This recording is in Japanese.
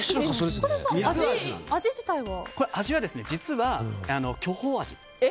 味は、実は巨峰味